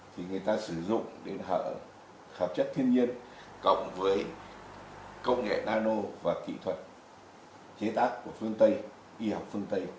thì người ta sử dụng để hợp chất thiên nhiên cộng với công nghệ nano và kỹ thuật chế tác của phương tây y học phương tây